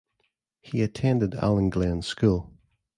He attended Allan Glen's School.